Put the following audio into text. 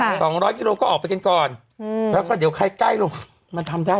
สองร้อยกิโลก็ออกไปกันก่อนอืมแล้วก็เดี๋ยวใครใกล้ลงมันทำได้